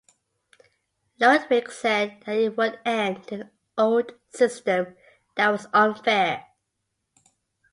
Ludwig said that it would end an old system that was unfair.